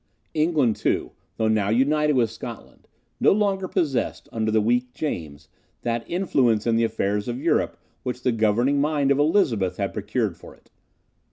England too, though now united with Scotland, no longer possessed, under the weak James, that influence in the affairs of Europe which the governing mind of Elizabeth had procured for it.